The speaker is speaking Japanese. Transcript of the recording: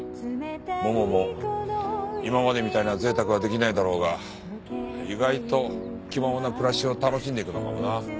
ももも今までみたいな贅沢はできないだろうが意外と気ままな暮らしを楽しんでいくのかもな。